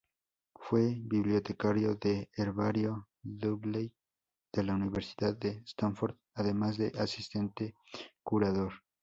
Fue bibliotecario del Herbario Dudley, de la Universidad de Stanford, además de asistente curador.